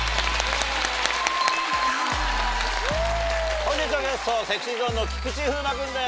本日のゲストＳｅｘｙＺｏｎｅの菊池風磨君です。